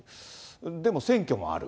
でも選挙もある。